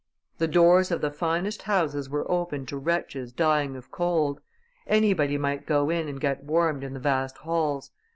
The doors of the finest houses were opened to wretches dying of cold; anybody might go in and get warmed in the vast halls.